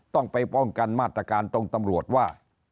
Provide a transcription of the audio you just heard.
ต้องไปป้องกันมาตรการตรงตำรวจว่า